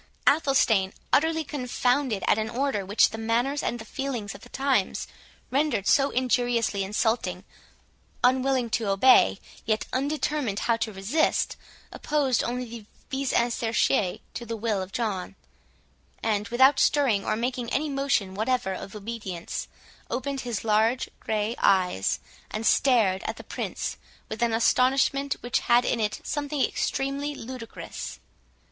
Athelstane, utterly confounded at an order which the manners and feelings of the times rendered so injuriously insulting, unwilling to obey, yet undetermined how to resist, opposed only the "vis inertiae" to the will of John; and, without stirring or making any motion whatever of obedience, opened his large grey eyes, and stared at the Prince with an astonishment which had in it something extremely ludicrous.